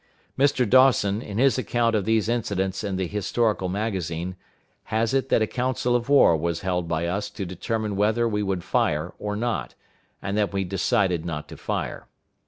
Mr. Dawson, in his account of these incidents in the Historical Magazine, has it that a council of war was held by us to determine whether we would fire or not, and that we decided not to fire.